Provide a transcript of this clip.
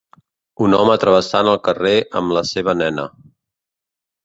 Un home travessant el carrer amb la seva nena.